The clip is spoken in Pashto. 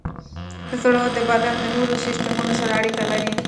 زړه د بدن د نورو سیستمونو سره اړیکه لري.